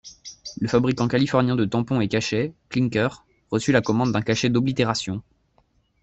Le fabricant californien de tampons et cachets, Klinker, reçut la commande d'un cachet d'oblitération.